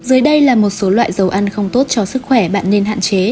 dưới đây là một số loại dầu ăn không tốt cho sức khỏe bạn nên hạn chế